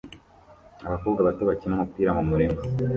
Abakobwa bato bakina umupira mumurima